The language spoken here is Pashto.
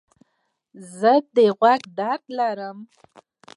زه د غوږ درد لرم.